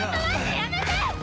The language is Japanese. やめて！